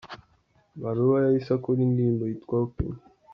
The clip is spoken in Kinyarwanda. baruwa yahise akora indirimbo yitwa "Open.